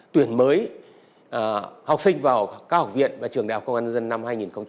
tuyển mới học sinh vào các học viện và trường đại học công an dân năm hai nghìn hai mươi